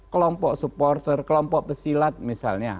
kelompok supporter kelompok pesilat misalnya